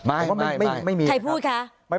ไม่ใครพูดคะ